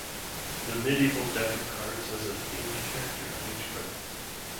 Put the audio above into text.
The Medieval deck of cards has a themed character on each card.